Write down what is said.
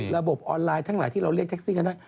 ระบบออนไลน์ทั้งหลายที่เราเรียกแท็กซี่กันได้